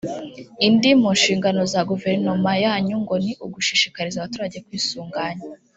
Indi mu nshingano za Guverinoma yanyu ngo ni «ugushishikariza abaturage kwisuganya